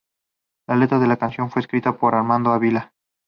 La letra de la canción fue escrita por Armando Ávila.